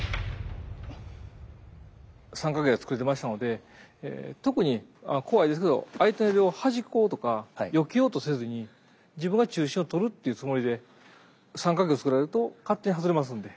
三角形がつくれてましたので特に怖いですけど相手をはじこうとかよけようとせずに自分が中心をとるっていうつもりで三角形をつくられると勝手に外れますので。